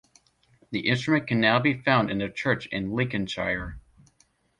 The instrument can now be found in a church in Lincolnshire.